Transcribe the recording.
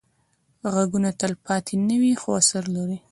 غږونه تلپاتې نه وي، خو اثر لري